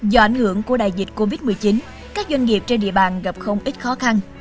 do ảnh hưởng của đại dịch covid một mươi chín các doanh nghiệp trên địa bàn gặp không ít khó khăn